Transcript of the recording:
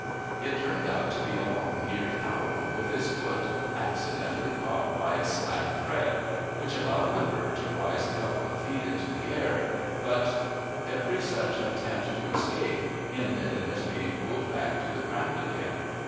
It turned out to be a long eared owl, with its foot accidentally caught by a slack thread, which allowed the bird to rise a couple of feet into the air; but every such attempt to escape ended in its being pulled back to the ground again.